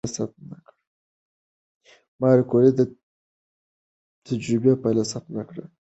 ماري کوري د تجربې پایله ثبت نه کړه؟